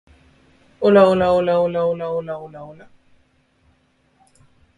In comparison to the rim, the interior floor is nearly flat and smooth.